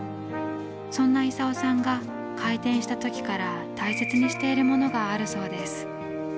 そんな功さんが開店した時から大切にしているものがあるそうです。